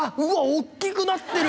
おっきくなってる！